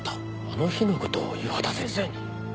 あの日の事を岩田先生に？